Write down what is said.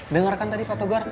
dengarkan tadi fatogar